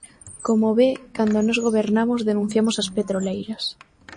Como ve, cando nós gobernamos denunciamos as petroleiras.